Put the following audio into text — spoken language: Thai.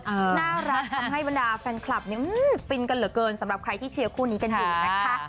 น่ารักทำให้บรรดาแฟนคลับเนี่ยฟินกันเหลือเกินสำหรับใครที่เชียร์คู่นี้กันอยู่นะคะ